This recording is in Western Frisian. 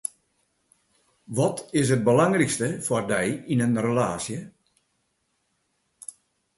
Wat is it belangrykste foar dy yn in relaasje?